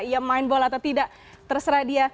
ia main bola atau tidak terserah dia